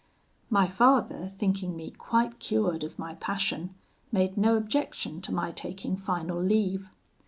"My father, thinking me quite cured of my passion, made no objection to my taking final leave.